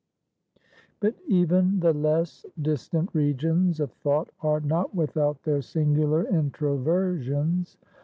But even the less distant regions of thought are not without their singular introversions.